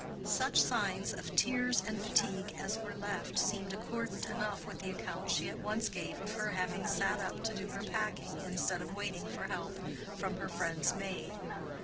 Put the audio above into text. Such signs of tears and fatigue as were left seemed accordant enough with the account she at once gave of her having sat up to do her packing, instead of waiting for help from her friend's maid.